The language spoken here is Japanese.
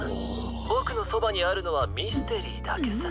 ボクのそばにあるのはミステリーだけさ。